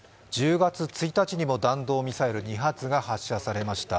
１０月１日にも弾道ミサイル２発が発射されました。